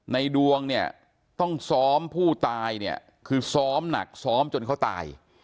ดวงเนี่ยต้องซ้อมผู้ตายเนี่ยคือซ้อมหนักซ้อมจนเขาตาย